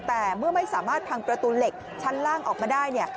แต่เมื่อไม่สามารถพังประตูเหล็กชั้นล่างออกมาได้เนี่ย